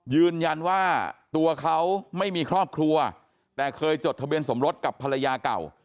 ยืนยันว่าตัวเขาไม่มีครอบครัวแต่เคยจดทะเบียนสมรสกับภรรยาเก่า